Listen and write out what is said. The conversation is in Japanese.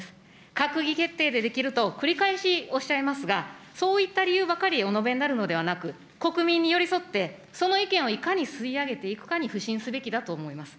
閣議決定でできると繰り返しおっしゃいますが、そういった理由ばかりお述べになるのではなく、国民に寄り添って、その意見をいかに吸い上げていくかに腐心すべきだと思います。